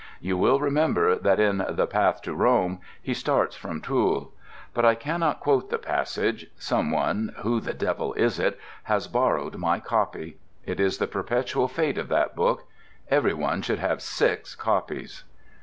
You will remember that in "The Path to Rome" he starts from Toul; but I cannot quote the passage; someone (who the devil is it?) has borrowed my copy. It is the perpetual fate of that book—everyone should have six copies.